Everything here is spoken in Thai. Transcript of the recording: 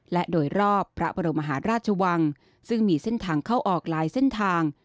และโดยรอบพระบรมหาราชวังซึ่งมีเส้นทางเข้าออกหลายเส้นทาง